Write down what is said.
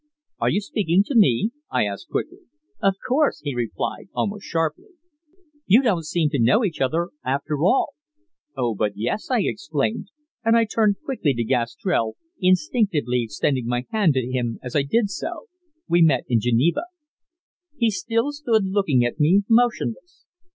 "Are you speaking to me?" I asked quickly. "Of course," he replied, almost sharply. "You don't seem to know each other after all." "Oh, but yes," I exclaimed, and I turned quickly to Gastrell, instinctively extending my hand to him as I did so. "We met in Geneva." He still stood looking at me, motionless.